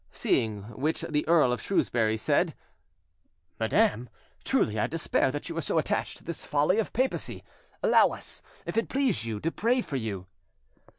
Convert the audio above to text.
Seeing which the Earl of Shrewsbury said— "Madam, truly I despair that you are so attached to this folly of papacy: allow us, if it please you, to pray for you."